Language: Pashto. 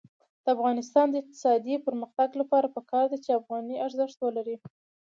د افغانستان د اقتصادي پرمختګ لپاره پکار ده چې افغانۍ ارزښت ولري.